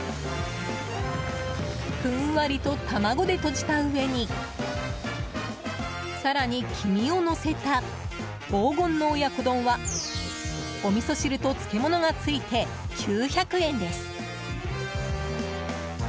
ふんわりと卵でとじた上に更に黄身をのせた黄金の親子丼はおみそ汁と漬け物がついて９００円です。